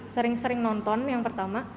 sering sering nonton yang pertama